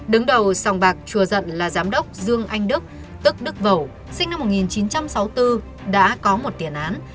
đứng đầu sòng bạc chùa dận là giám đốc dương anh đức tức đức vẩu sinh năm một nghìn chín trăm sáu mươi bốn đã có một tiền án